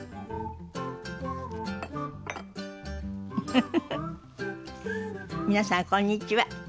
フフフフ皆さんこんにちは。